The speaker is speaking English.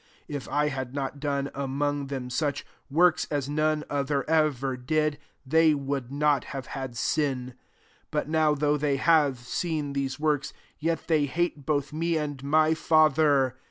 24 If I had not done among them such works as none other ever did, they would not have had sin : but now, though they ' have seen theae worksj yet they hate both me, and my Fiuther.